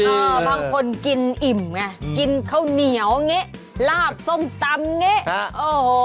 บางคนกินอิ่มไงกินข้าวเหนียวไงราบส้มตำไงโอ้โห